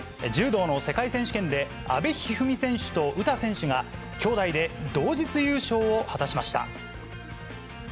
柔道の世界選手権で、阿部一二三選手と詩選手が、兄妹で同日優勝を果たしました。